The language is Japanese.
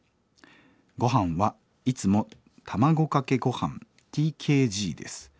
ごはんはいつも卵かけごはんＴＫＧです。